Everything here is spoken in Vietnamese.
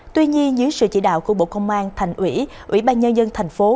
tuy nhiên dưới sự chỉ đạo của bộ công an thành ủy ủy ban nhân dân thành phố